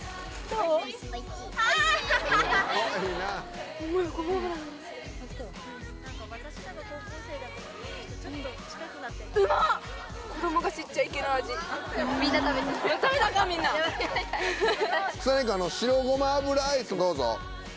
どうぞ。